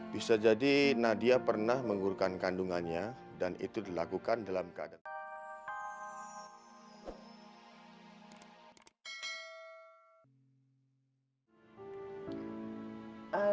bisa jadi nadia pernah mengurutkan kandungannya dan itu dilakukan dalam keadaan